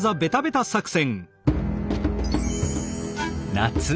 夏。